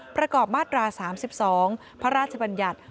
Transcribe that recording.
ประกอบมาตรา๓๒พระราชบัญญัติ